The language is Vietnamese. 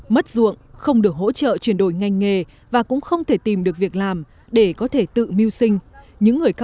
mất ruộng không được hỗ trợ chuyển đổi ngành nghề và cũng không thể tìm được việc làm để có thể tự mưu sinh